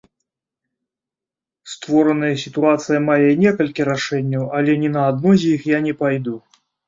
Створаная сітуацыя мае некалькі рашэнняў, але ні адно з іх я не пайду.